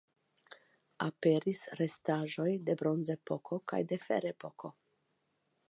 Aperis restaĵoj de Bronzepoko kaj de Ferepoko.